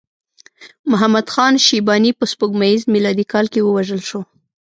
محمد خان شیباني په سپوږمیز میلادي کال کې ووژل شو.